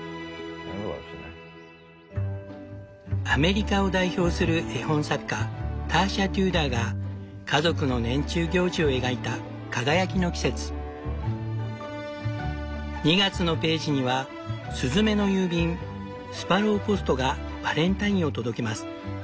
アメリカを代表する絵本作家ターシャ・テューダーが家族の年中行事を描いた「輝きの季節」。２月のページには「スズメの郵便スパローポストがバレンタインを届けます。